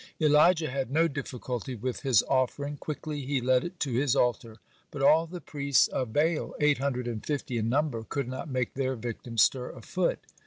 Elijah had no difficulty with his offering; quickly he led it to his altar. But all the priests of Baal, eight hundred and fifty in number, could not make their victim stir a foot.